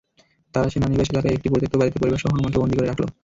তারা সেনানিবাস এলাকায় একটি পরিত্যক্ত বাড়িতে পরিবারসহ আমাকে বন্দী করে রাখল।